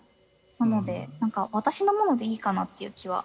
なので何か私のものでいいかなっていう気は。